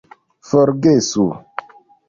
forgesu